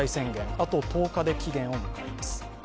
あと１０日で期限を迎えます。